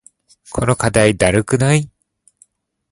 この課題だるくない？